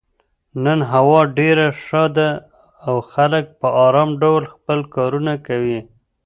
نن هوا ډېره ښه ده او خلک په ارام ډول خپل کارونه کوي.